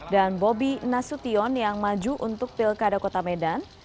dan bobi nasution yang maju untuk pil kada kota medan